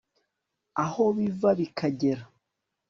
aho biva bikagera